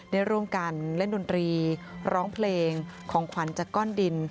ได้ร่วมกันเล่นดนตรีร้องเพลงของขวัญจากก้อนดิน